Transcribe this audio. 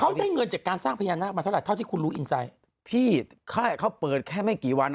เขาได้เงินจากการสร้างพญานาคมาเท่าไหรเท่าที่คุณรู้อินไซด์พี่ค่ายเขาเปิดแค่ไม่กี่วัน